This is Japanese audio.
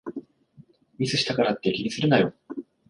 ミスしたからって気にするなよ